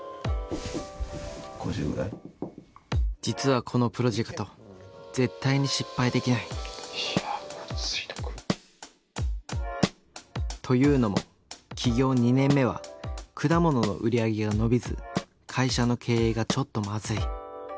実はこのプロジェクト絶対に失敗できない。というのも起業２年目は果物の売り上げが伸びず会社の経営がちょっとまずい。